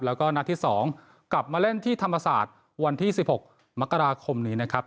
แล้วก็นัดที่๒กลับมาเล่นที่ธรรมศาสตร์วันที่๑๖มกราคมนี้นะครับ